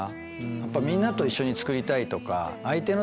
やっぱみんなと一緒に作りたいとか。